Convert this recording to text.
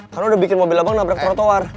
karena udah bikin mobil abang nabrak trotoar